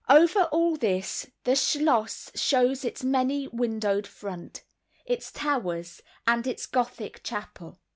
Over all this the schloss shows its many windowed front; its towers, and its Gothic chapel.